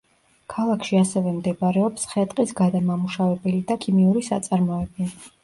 ქალაქში ასევე მდებარეობს ხე-ტყის გადამამუშავებელი და ქიმიური საწარმოები.